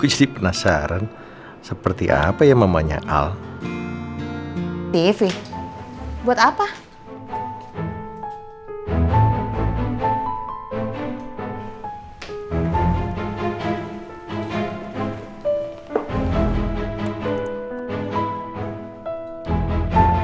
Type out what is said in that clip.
alhamdulillah syukur andin dan al sudah baikan